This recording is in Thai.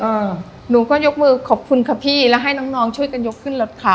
หนูก็ยกมือขอบคุณค่ะพี่แล้วให้น้องน้องช่วยกันยกขึ้นรถค่ะ